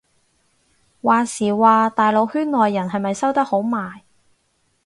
話時話大陸圈內人係咪收得好埋